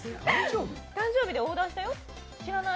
誕生日でオーダーしたよ、知らない？